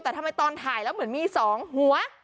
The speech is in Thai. แต่ทำไมตอนถ่ายเหมือนจะมีสองหัว